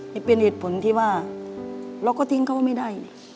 นี่เป็นเหตุผลที่ว่าเราก็ทิ้งเขาไม่ได้